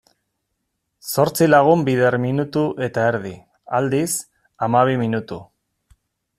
Zortzi lagun bider minutu eta erdi, aldiz, hamabi minutu.